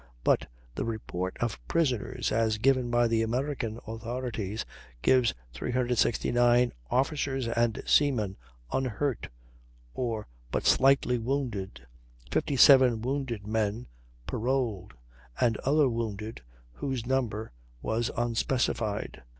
But the report of prisoners, as given by the American authorities, gives 369 officers and seamen unhurt or but slightly wounded, 57 wounded men paroled, and other wounded whose number was unspecified.